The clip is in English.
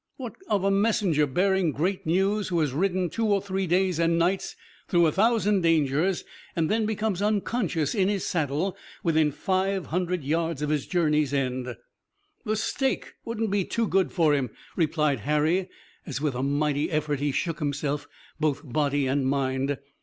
"What of a messenger, bearing great news who has ridden two or three days and nights through a thousand dangers, and then becomes unconscious in his saddle within five hundred yards of his journey's end?" "The stake wouldn't be too good for him," replied Harry as with a mighty effort he shook himself, both body and mind.